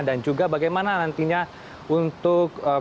dan juga bagaimana nantinya untuk kompetisi